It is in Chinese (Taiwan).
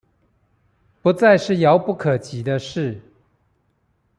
不再是遙不可及的事